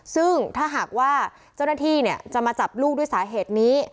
ซึ่งถ้าหากว่าเจ้าหน้าที่จะมาจับลูกด้วยสาเหตุนี้